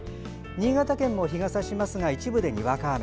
新潟県も日がさしますが一部で、にわか雨。